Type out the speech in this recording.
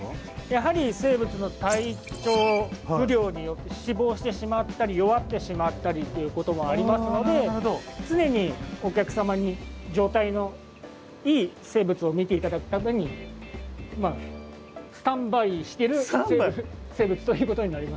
やはり生物の体調不良によって死亡してしまったり弱ってしまったりということもありますので常にお客様に状態のいい生物を見て頂くためにスタンバイしてる生物ということになります。